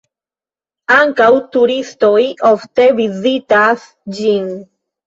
Ankaŭ turistoj ofte vizitas ĝin.